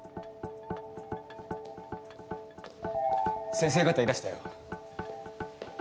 先生方いらしたよ。